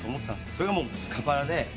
それがスカパラで。